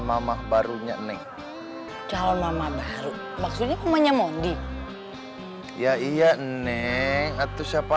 mama barunya neng calon mama berkent grabbing ma ndi ya iya eneng atu siapa